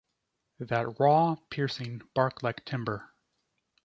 And that raw, piercing, bark-like timbre.